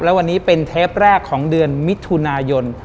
และวันนี้เป็นเทปแรกของเดือนมิถุนายน